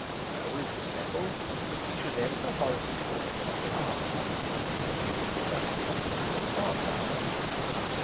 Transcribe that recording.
So it was settled that he should enter Horace's works on the art side, with a view to becoming, ultimately, art director.